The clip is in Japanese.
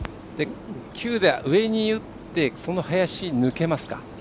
９で上に打ってその林抜けますか？